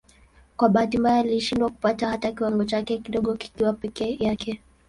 Kwa bahati mbaya alishindwa kupata hata kiwango chake kidogo kikiwa peke yake.